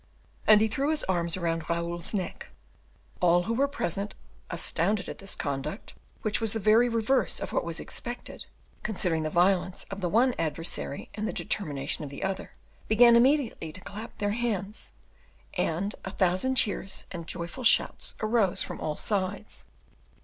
And he threw his arms round Raoul's neck. All who were present, astounded at this conduct, which was the very reverse of what was expected, considering the violence of the one adversary and the determination of the other, began immediately to clap their hands, and a thousand cheers and joyful shouts arose from all sides.